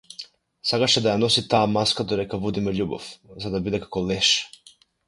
Сакаше да ја носи таа маска додека водиме љубов, за да биде како леш.